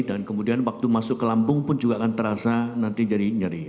dan kemudian waktu masuk ke lambung pun juga akan terasa panas